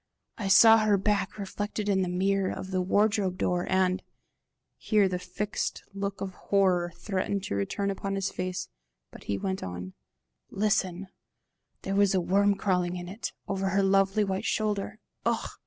"I saw her back reflected in the mirror of the wardrobe door, and" here the fixed look of horror threatened to return upon his face, but he went on "listen, there was a worm crawling on it, over her lovely white shoulder! Ugh!